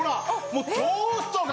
もうトーストが。